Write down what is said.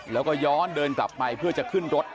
แล้วก็ย้อนเดินกลับไปเพื่อจะขึ้นรถ